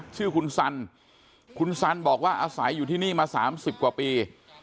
ชื่อคุณสันคุณสันบอกว่าอาศัยอยู่ที่นี่มา๓๐กว่าปี